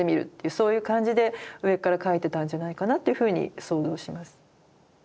そういう感じで上から描いてたんじゃないかなっていうふうに想像します。